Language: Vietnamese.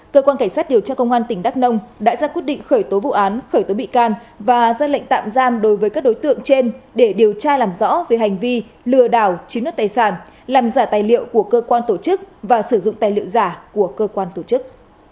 cơ quan cảnh sát điều tra công an tỉnh đắk nông đã ra quyết định khởi tố vụ án khởi tố bị can và ra lệnh tạm giam đối với các đối tượng trên để điều tra làm rõ về hành vi lừa đảo chiếm đất tài sản làm giả tài liệu của cơ quan tổ chức và sử dụng tài liệu giả của cơ quan tổ chức